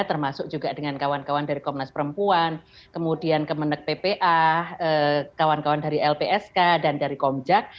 termasuk juga dengan kawan kawan dari komnas perempuan kemudian kemenek ppa kawan kawan dari lpsk dan dari komjak